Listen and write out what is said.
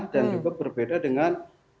dan juga berbeda dengan